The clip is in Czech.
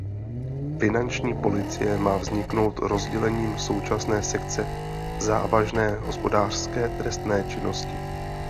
Finanční policie má vzniknout rozdělením současné sekce závažné hospodářské trestné činnosti.